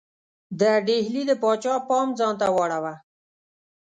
د ډهلي د پاچا پام ځانته واړاوه.